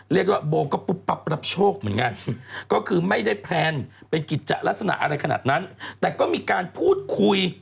ลักษณะอะไรขนาดนั้นแต่ก็มีการพูดคุย